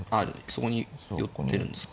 そこに寄ってるんですか。